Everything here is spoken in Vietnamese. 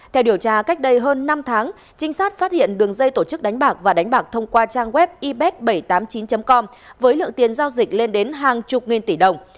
theo điều tra cách đây hơn năm tháng trinh sát phát hiện đường dây tổ chức đánh bạc và đánh bạc thông qua trang web ib bảy trăm tám mươi chín com với lượng tiền giao dịch lên đến hàng chục nghìn tỷ đồng